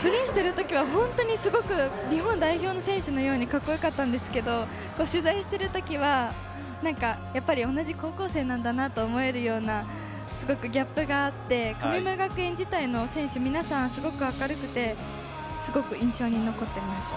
プレーしている時は日本代表の選手みたいにカッコよかったんですけど、取材してる時は、やっぱり同じ高校生なんだなと思えるような、すごくギャップがあって、神村学園自体の選手、皆さん明るくて、すごく印象に残っています。